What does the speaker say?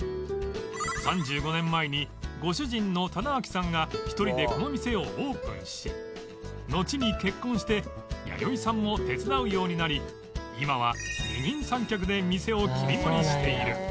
３５年前にご主人の忠昭さんが１人でこの店をオープンしのちに結婚してやよいさんも手伝うようになり今は二人三脚で店を切り盛りしている